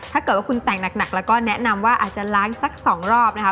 ถ้าเกิดว่าคุณแต่งหนักแล้วก็แนะนำว่าอาจจะล้างสัก๒รอบนะคะ